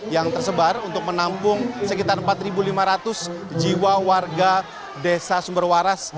yang tersebar untuk menampung sekitar empat lima ratus jiwa warga desa sumberwaras